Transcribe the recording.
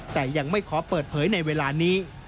แต่ยังไม่ขอเปิดเผยในเวลานี้